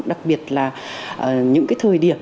đặc biệt là những thời điểm